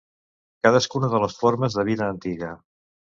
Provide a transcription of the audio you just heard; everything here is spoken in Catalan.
Cadascuna de les formes de vida antiga.